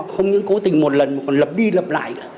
không những cố tình một lần mà còn lập đi lập lại cả